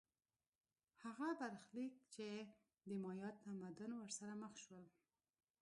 هغه برخلیک چې د مایا تمدن ورسره مخ شول